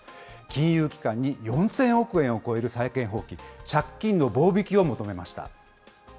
金融機関に４０００億円を超える債権放棄、借金の棒引きを求めました。